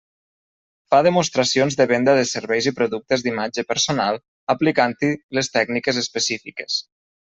Fa demostracions de venda de serveis i productes d'imatge personal aplicant-hi les tècniques específiques.